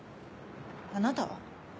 あなたは？